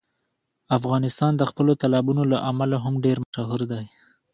افغانستان د خپلو تالابونو له امله هم ډېر مشهور دی.